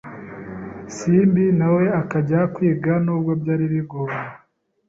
Simbi na we akajya kwiga nubwo byari bigoye